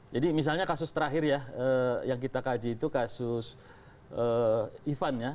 jadi misalnya kasus terakhir ya yang kita kaji itu kasus ivan ya